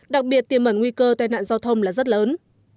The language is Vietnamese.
đặc biệt tiềm mẩn nguy cơ tai nạn giao thông là rất lớn